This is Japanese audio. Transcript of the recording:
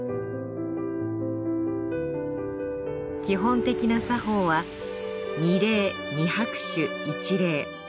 基本的な作法は２礼２拍手１礼。